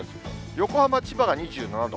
横浜、千葉が２７度。